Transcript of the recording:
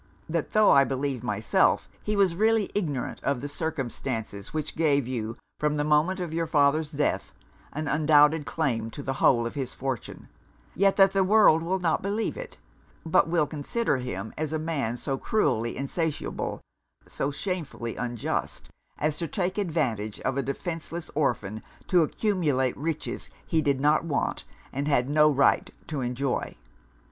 That tho' I believed myself he was really ignorant of the circumstances which gave you, from the moment of your father's death, an undoubted claim to the whole of his fortune, yet that the world will not believe it; but will consider him as a man so cruelly insatiable, so shamefully unjust, as to take advantage of a defenceless orphan to accumulate riches he did not want, and had no right to enjoy.